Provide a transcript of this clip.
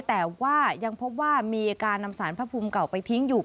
แต่ว่ายังพบว่ามีการนำสารพระภูมิเก่าไปทิ้งอยู่